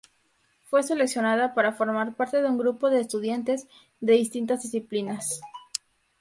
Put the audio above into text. Fue seleccionada para formar parte de un grupo de estudiantes de distintas disciplinas.